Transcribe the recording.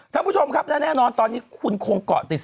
ท่านผู้ชมครับและแน่นอนตอนนี้คุณคงเกาะติด